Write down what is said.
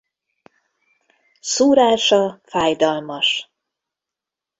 Szúrása fájdalmas.